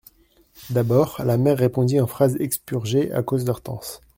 D'abord, la mère répondit en phrases expurgées, à cause d'Hortense.